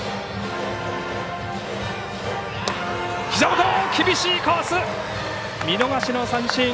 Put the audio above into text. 膝元、厳しいコース見逃しの三振。